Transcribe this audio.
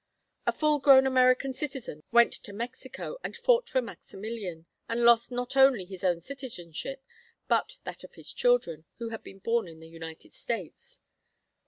A full grown American citizen went to Mexico and fought for Maximilian, and lost not only his own citizenship, but that of his children, who had been born in the United States.